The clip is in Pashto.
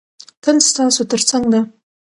تل ستاسو تر څنګ ده.